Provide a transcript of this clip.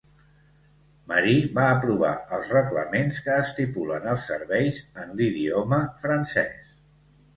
Marie va aprovar els reglaments que estipulen els serveis en l"idioma francès.